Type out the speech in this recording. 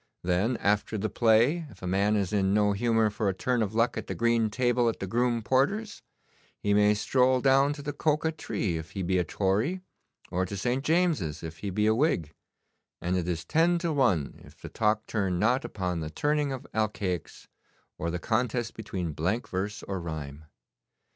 Then, after the play, if a man is in no humour for a turn of luck at the green table at the Groom Porter's, he may stroll down to the Coca Tree if he be a Tory, or to St. James's if he be a Whig, and it is ten to one if the talk turn not upon the turning of alcaics, or the contest between blank verse or rhyme.